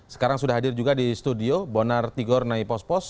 sekarang sudah hadir juga di studio bonar tigor naipospos